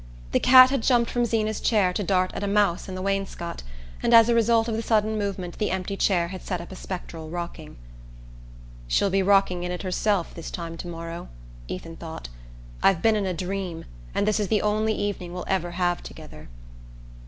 The cat had jumped from Zeena's chair to dart at a mouse in the wainscot, and as a result of the sudden movement the empty chair had set up a spectral rocking. "She'll be rocking in it herself this time to morrow," Ethan thought. "I've been in a dream, and this is the only evening we'll ever have together."